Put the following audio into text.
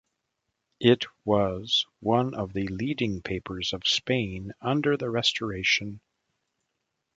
It was one of the leading papers of Spain under the Restoration.